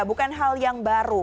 bukan hal yang baru